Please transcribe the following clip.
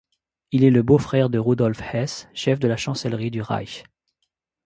Il est le beau-frère de Rudolf Hess, Chef de la chancellerie du Reich.